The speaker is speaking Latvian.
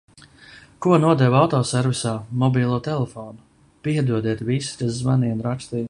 Ko nodevu autoservisā, mobilo telefonu. Piedodiet visi, kas zvanīja un rakstīja.